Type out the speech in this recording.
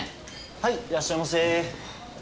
はいいらっしゃいませ。